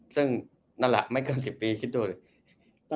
ซึ่งนั่นแหละไม่เกิน๑๐ปีคิดดูเลย